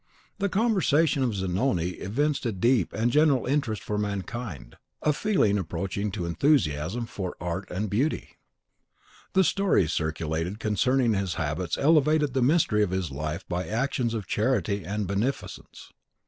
The conversation of Zanoni evinced a deep and general interest for mankind, a feeling approaching to enthusiasm for art and beauty. The stories circulated concerning his habits elevated the mystery of his life by actions of charity and beneficence.